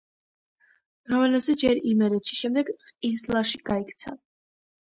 რომანოზი ჯერ იმერეთში, შემდეგ ყიზლარში გაიქცა.